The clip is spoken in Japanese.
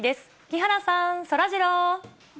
木原さん、そらジロー。